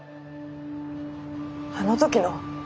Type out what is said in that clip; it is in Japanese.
あの時の。